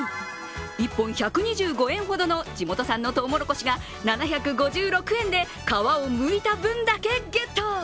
１本１２５円ほどの地元産とうもろこしが７５６円で皮をむいた分だけゲット。